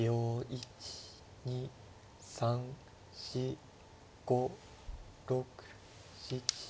１２３４５６７。